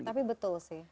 tapi betul sih